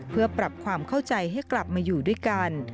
เพื่อปรับความเข้าใจให้กลับมาอยู่ด้วยกัน